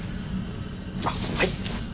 あっはい。